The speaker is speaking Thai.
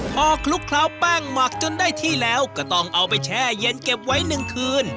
พอคลุกเคล้าแป้งหมักจนได้ที่แล้วก็ต้องเอาไปแช่เย็นเก็บไว้๑คืน